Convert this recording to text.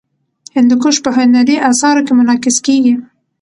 هندوکش په هنري اثارو کې منعکس کېږي.